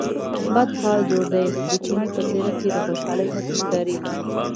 بد حال جوړ دی، د چیني په څېره کې د خوشالۍ نښې ښکارې.